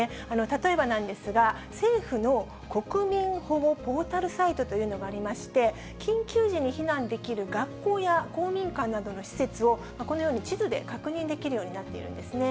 例えばなんですが、政府の国民保護ポータルサイトというものがありまして、緊急時に避難できる学校や公民館などの施設を、このように地図で確認できるようになっているんですね。